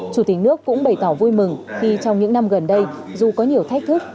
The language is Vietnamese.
chủ tịch nước cũng bày tỏ vui mừng khi trong những năm gần đây dù có nhiều thách thức